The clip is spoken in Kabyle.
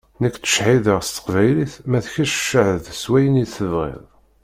Nekk ttcehhideɣ s teqbaylit, ma d kečč cehhed s wayen i tebɣiḍ.